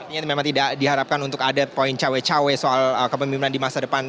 ini memang tidak diharapkan untuk ada poin cawe cawe soal kepemimpinan di masa depan